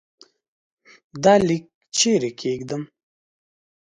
دا لیک چيري کښېږدم ؟